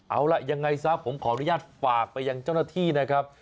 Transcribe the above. เอาล่ะยังไงซะผมขออนุญาตฝากไปยังเจ้าหน้าที่นะครับ